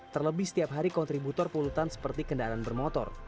terlebih setiap hari kontributor polutan seperti kendaraan bermotor